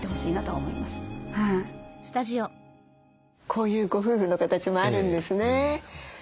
こういうご夫婦の形もあるんですね。